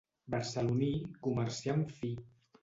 Barceloní, comerciant fi.